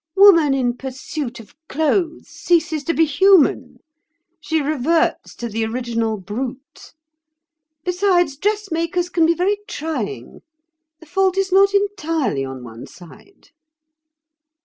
"Woman in pursuit of clothes ceases to be human—she reverts to the original brute. Besides, dressmakers can be very trying. The fault is not entirely on one side."